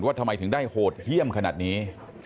ทำไมถึงได้โหดเยี่ยมขนาดนี้